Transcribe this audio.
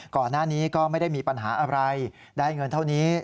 ก่อนหน้านี้ก็ไม่ได้มีปัญหาอะไรได้เงินเท่านี้